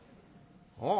「ああ。